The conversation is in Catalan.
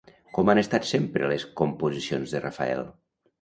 Com han estat sempre les composicions de Rafael?